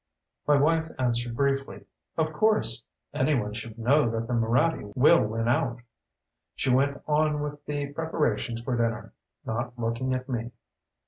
My wife answered briefly, "Of course. Anyone should know that the Moraddy will win out." She went on with the preparations for dinner, not looking at me.